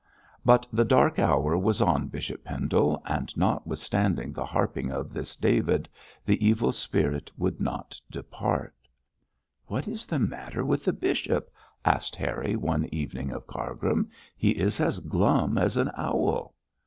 But the dark hour was on Bishop Pendle, and notwithstanding the harping of this David, the evil spirit would not depart. 'What is the matter with the bishop?' asked Harry one evening of Cargrim. 'He is as glum as an owl.'